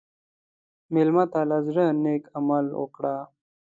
مېلمه ته له زړه نیک عمل وکړه.